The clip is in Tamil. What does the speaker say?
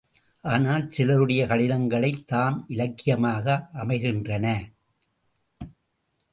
ஆனால் சிலருடைய கடிதங்கள்தாம் இலக்கியமாக அமைகின்றன.